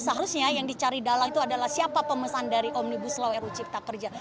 seharusnya yang dicari dalang itu adalah siapa pemesan dari omnibus law ru cipta kerja